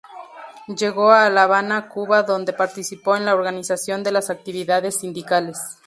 Llegó a La Habana, Cuba, donde participó en la organización de las actividades sindicales.